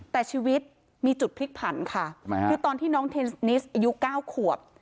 แต่ชีวิตมีจุดพลิกผันค่ะคือตอนที่น้องเทนนิสอายุ๙ขวบ